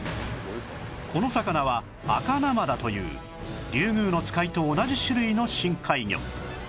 この魚はアカナマダというリュウグウノツカイと同じ種類の深海魚